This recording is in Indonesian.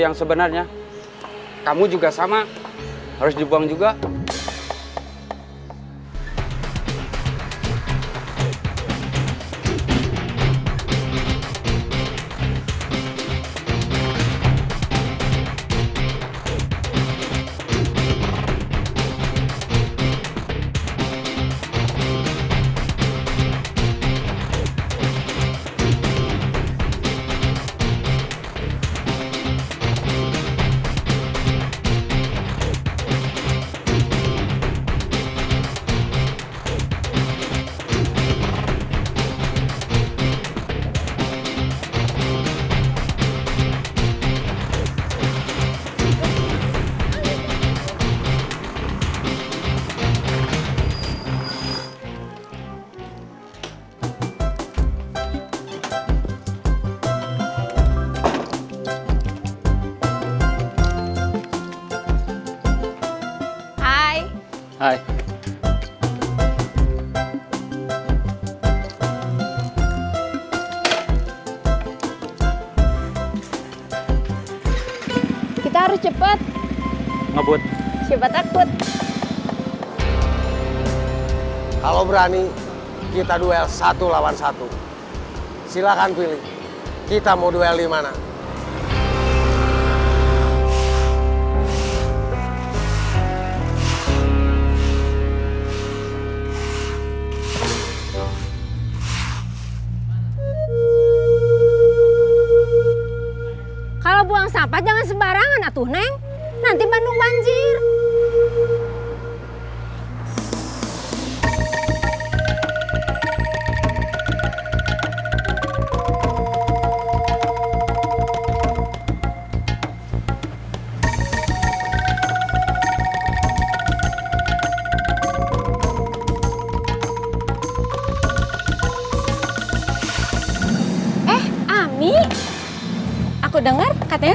gak cukup buat ganjal perut